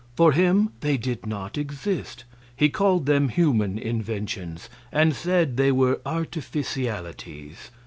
For him they did not exist. He called them human inventions, and said they were artificialities.